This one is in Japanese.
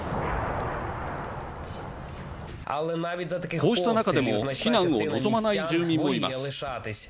こうした中でも避難を望まない住民もいます。